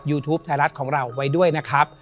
และยินดีต้อนรับทุกท่านเข้าสู่เดือนพฤษภาคมครับ